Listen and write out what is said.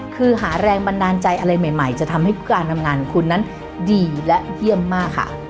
คือหาแรงบันดาลใจอะไรใหม่จะทำให้การทำงานของคุณนั้นดีและเยี่ยมมากค่ะ